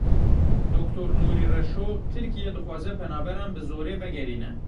Doktor Nûrî Reşo Tirkiye dixwaze penaberan bi zorê vegerîne.